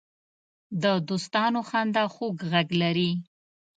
د دوستانو خندا خوږ غږ لري